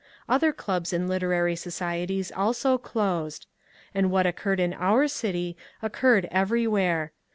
Other clubs and literary societies also closed. And what occurred in our city occurred everywhere.